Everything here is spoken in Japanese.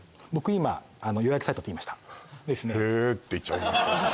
今予約サイトって言いました「へぇ」って言っちゃいましたよ